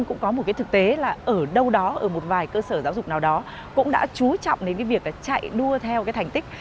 cũng có một cái thực tế là ở đâu đó ở một vài cơ sở giáo dục nào đó cũng đã chú trọng đến cái việc là chạy đua theo cái thành tích